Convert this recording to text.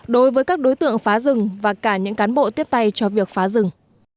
đối với các đối tượng phá rừng và cả những cán bộ tiếp tay cho việc phá rừng